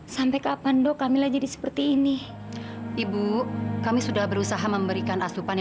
sampai jumpa di video selanjutnya